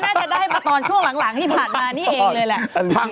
อันนี้น่าจะได้มาตอนช่วงหลังที่ผ่านมานี่เองเลยแหละพังไม่นาน